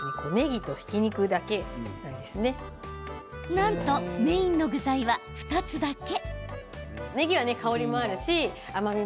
なんと、メインの具材は２つだけ。